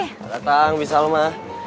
selamat datang bisalma